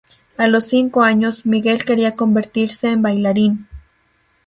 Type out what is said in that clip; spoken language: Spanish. A los cinco años, Miguel quería convertirse en bailarín.